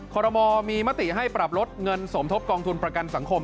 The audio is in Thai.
ขอรมอลมีมติให้ปรับลดเงินสมทบกองทุนประกันสังคม